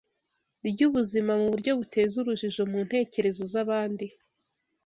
ry’ubuzima mu buryo buteza urujijo mu ntekerezo z’abandi.